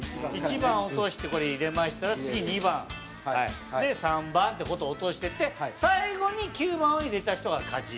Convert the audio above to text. １番落としてこれ入れましたら次２番。で３番って落としていって最後に９番を入れた人が勝ち。